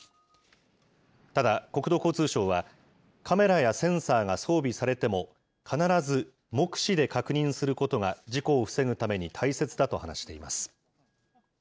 ただ、国土交通省はカメラやセンサーが装備されても、必ず目視で確認することが事故を防ぐために大切だと話しています。